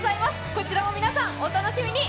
こちらも皆さん、お楽しみに。